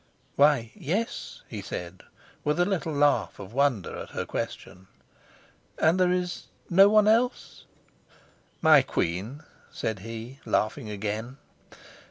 "Why, yes," he said, with a little laugh of wonder at her question. "And there is no one else?" "My queen!" said he, laughing again.